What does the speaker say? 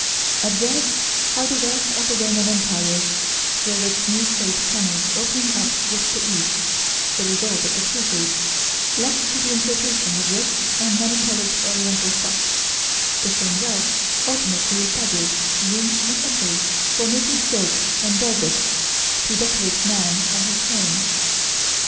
Observe how the wealth of the Roman Empire, through its new trade channels opening up with the East (the result of the crusades) led to the importation of rich and many coloured Oriental stuffs; the same wealth ultimately established looms in Italy for making silks and velvets, to decorate man and his home.